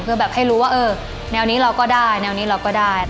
เพื่อแบบให้รู้ว่าเออแนวนี้เราก็ได้แนวนี้เราก็ได้